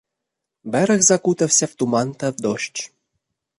Берег закутався в туман та в дощ.